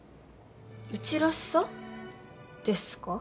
うちらしさですか？